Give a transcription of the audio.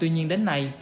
tuy nhiên đến nay